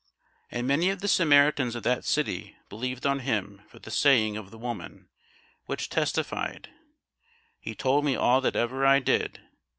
And many of the Samaritans of that city believed on him for the saying of the woman, which testified, He told me all that ever I did.